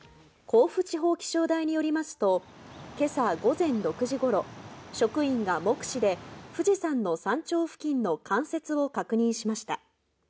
甲府地方気象台によりますと、今朝午前６時頃、職員が目視で富士山の山頂付近の冠雪を確認しました。